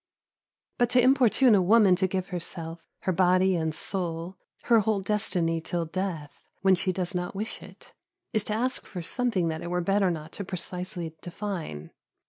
But to importune a woman to give herself, her body and soul, her whole destiny till death, when she does not wish it, is to ask for something that it were better not to precisely define.